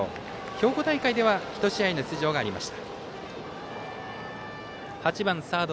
兵庫大会では１試合の出場がありました。